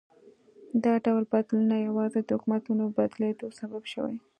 دا ډول بدلونونه یوازې د حکومتونو بدلېدو سبب شوي.